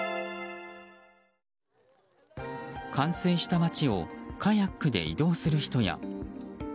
冠水した街をカヤックで移動する人や。